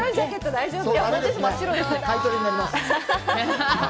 大丈夫！？